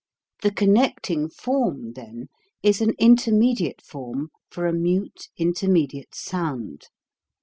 The connecting form then is an intermediate form for a mute intermediate sound.